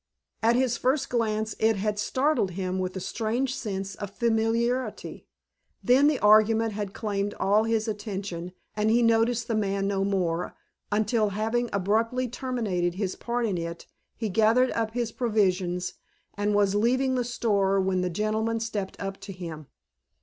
At his first glance it had startled him with a strange sense of familiarity. Then the argument had claimed all his attention and he noticed the man no more, until, having abruptly terminated his part in it he gathered up his provisions and was leaving the store when the gentleman stepped up to him.